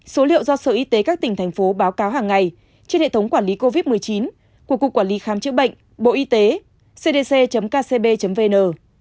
số liệu do sở y tế các tỉnh thành phố báo cáo hàng ngày trên hệ thống quản lý covid một mươi chín của cục quản lý khám chữa bệnh bộ y tế cdc kcb vn